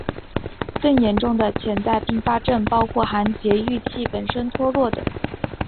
更严重的潜在并发症包含节育器本身脱落等。